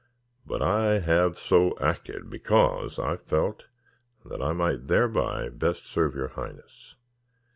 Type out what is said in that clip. But I have so acted because I felt that I might thereby best serve your highness.